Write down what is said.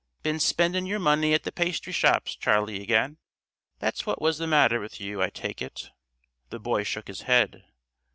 "Been spendin' your money at the pastry shops, Charley, again? That's what was the matter with you, I take it." The boy shook his head.